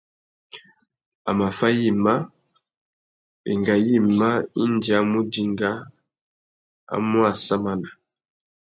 A mà fá yïmá, wenga yïmá indi a mù dinga, a mù assamana.